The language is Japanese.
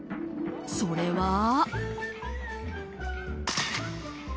それは。